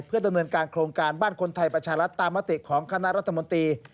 เพื่อดำเนินการโครงการบ้านคนไทยประชารัฐตามมติของคณะรัฐมนตรี